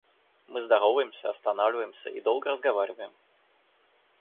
Мы здороваемся, останавливаемся и долго разговариваем.